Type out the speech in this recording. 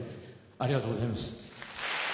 ありがとうございます。